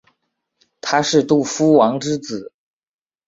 他是杜夫王之子。